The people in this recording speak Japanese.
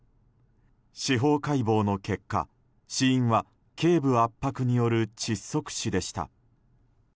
司法解剖の結果死因は頸部圧迫による窒息死でした。